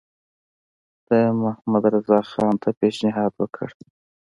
ده محمدرضاخان ته پېشنهاد وکړ.